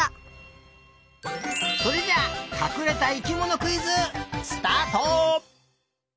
それじゃあかくれた生きものクイズスタート！